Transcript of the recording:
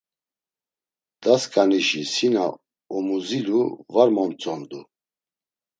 Dasǩanişi si na omuzilu var momtzondun.